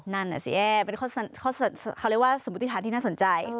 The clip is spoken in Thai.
นั่นสิเป็นข้อสมุทิธารที่น่าสนใจ